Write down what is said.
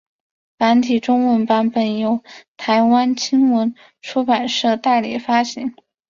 繁体中文版本由台湾青文出版社代理发行。